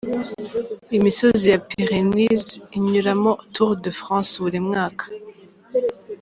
Imisozi wa Pyrenees inyuramo Tour de France buri mwaka.